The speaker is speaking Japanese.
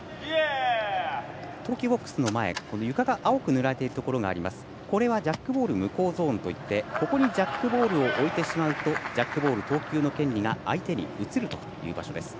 投球ボックスの前床が青く塗られていますがこれはジャックボール無効ゾーンといってここにジャックボールを置いてしまうとジャックボール投球の権利が相手に移る場所です。